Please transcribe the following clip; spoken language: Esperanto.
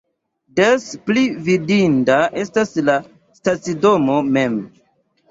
Des pli vidinda estas la stacidomo mem.